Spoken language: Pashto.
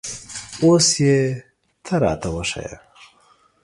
اوس یې ته را ته وښیه